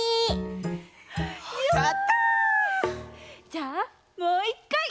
じゃあもう１かい！